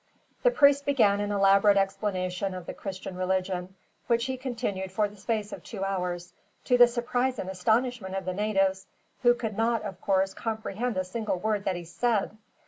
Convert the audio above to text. The priest began an elaborate explanation of the Christian religion, which he continued for the space of two hours; to the surprise and astonishment of the natives, who could not, of course, comprehend a single word that he said.